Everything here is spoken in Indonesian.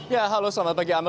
ya halo selamat pagi amel